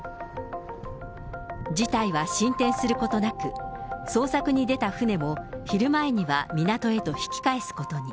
事態は進展することなく、捜索に出た船も、昼前には港へと引き返すことに。